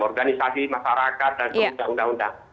organisasi masyarakat dan sebagainya